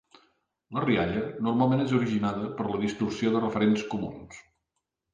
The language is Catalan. La rialla normalment és originada per la distorsió de referents comuns.